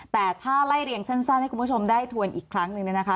แต่ถ้าไล่เรียงสั้นให้คุณผู้ชมได้ทวนอีกครั้งหนึ่งเนี่ยนะคะ